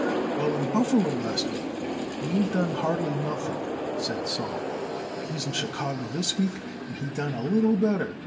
"Well, in Buffalo, last week, he ain't done hardly nothing," said Sol; "but he's in Chicago this week and he done a little better.